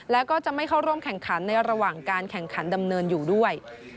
แล้วก็จะไม่เข้าร่วมแข่งขันในระหว่างการแข่งขันดำเนินอยู่ด้วย